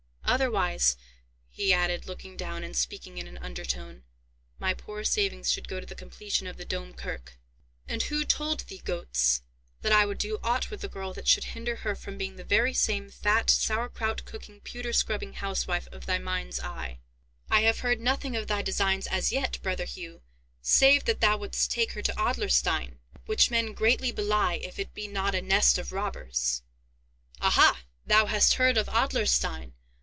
Otherwise," he added, looking down, and speaking in an under tone, "my poor savings should go to the completion of the Dome Kirk." "And who told thee, Goetz, that I would do ought with the girl that should hinder her from being the very same fat, sourkrout cooking, pewter scrubbing housewife of thy mind's eye?" "I have heard nothing of thy designs as yet, brother Hugh, save that thou wouldst take her to Adlerstein, which men greatly belie if it be not a nest of robbers." "Aha! thou hast heard of Adlerstein!